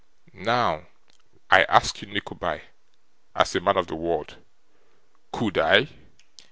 Now, I ask you, Nickleby, as a man of the world; could I?